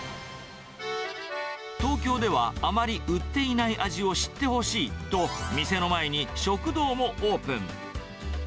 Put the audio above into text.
東京ではあまり売っていない味を知ってほしいと、店の前に食堂もオープン。